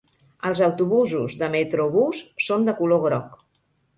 Els autobusos de Metrobús són de color groc.